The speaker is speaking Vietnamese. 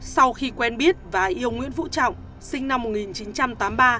sau khi quen biết và yêu nguyễn vũ trọng sinh năm một nghìn chín trăm tám mươi ba